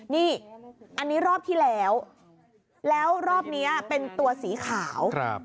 นี่อันนี้รอบที่แล้วแล้วรอบนี้เป็นตัวสีขาว